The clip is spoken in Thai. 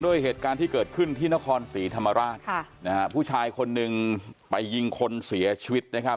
เหตุการณ์ที่เกิดขึ้นที่นครศรีธรรมราชค่ะนะฮะผู้ชายคนหนึ่งไปยิงคนเสียชีวิตนะครับ